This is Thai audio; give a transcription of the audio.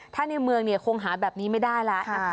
ถ้าในเมืองคงหาแบบนี้ไม่ได้แล้วนะคะ